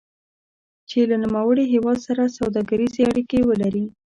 چې له نوموړي هېواد سره سوداګریزې اړیکې ولري.